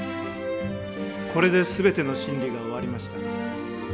これで全ての審理が終わりました。